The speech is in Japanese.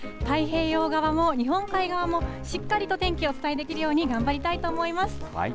太平洋側も日本海側もしっかりと天気をお伝えできるように頑張りたいと思います。